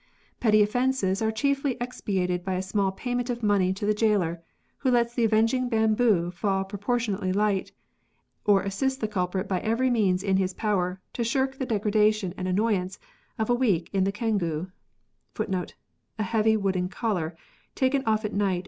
Petty offences are chiefly expiated by a small payment of money to the gaoler, who lets the avenging bamboo fall proportionately light, or assists the culprit by every means in his power to shirk the degradation and annoyance of a week in the cangue.